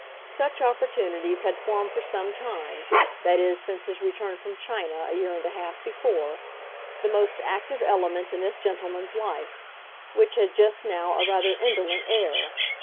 Such opportunities had formed for some time—that is, since his return from China, a year and a half before—the most active element in this gentleman's life, which had just now a rather indolent air.